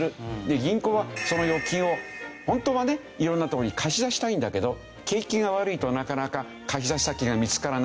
銀行はその預金をホントはね色んなとこに貸し出したいんだけど景気が悪いとなかなか貸し出し先が見つからない。